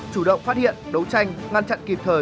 chủ động phát hiện đấu tranh ngăn chặn kịp thời